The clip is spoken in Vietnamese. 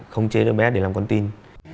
không chế đứa bé để làm con tin